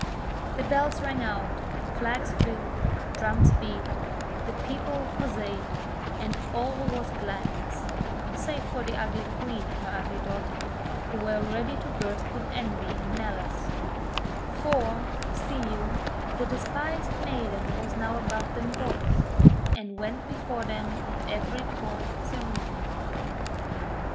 The bells rang out, flags flew, drums beat, the people huzzaed, and all was gladness, save for the ugly Queen and her ugly daughter, who were ready to burst with envy and malice ; for, see you, the despised maiden was now above them both, and went before them at every Court ceremonial.